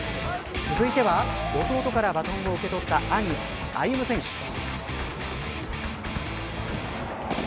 続いては弟からバトンを受け取った兄、歩夢選手。